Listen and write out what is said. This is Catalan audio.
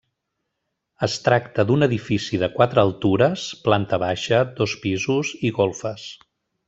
Es tracta d'un edifici de quatre altures, planta baixa, dos pisos i golfes.